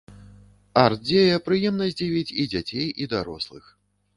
Арт-дзея прыемна здзівіць і дзяцей, і дарослых.